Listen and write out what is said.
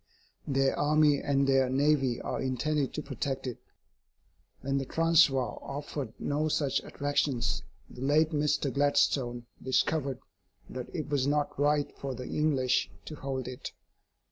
Their army and their navy are intended to protect it. When the Transvaal offered no such attractions, the late Mr. Gladstone discovered that it was not right for the English to hold it.